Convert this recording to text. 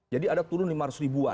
jadi ada turun lima ratus ribuan